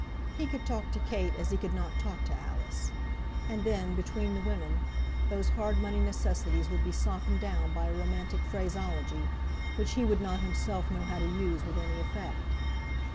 He could talk to Kate as he could not talk to Alice; and then, between the women, those hard money necessities would be softened down by a romantic phraseology which he would not himself know how to use with any effect.